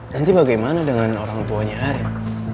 nanti bagaimana dengan orang tuanya arief